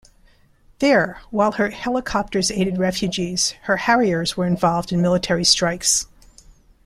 There, while her helicopters aided refugees, her Harriers were involved in military strikes.